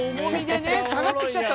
さがってきちゃったんだ。